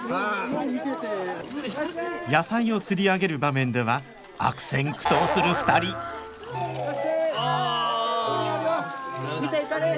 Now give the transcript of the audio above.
野菜を釣り上げる場面では悪戦苦闘する２人あ駄目だ。